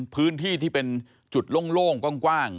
พื้นที่ที่เป็นจุดโล่งกว้าง